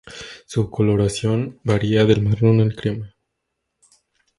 Su coloración varía del marrón al crema.